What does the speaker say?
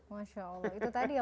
masya allah itu tadi ya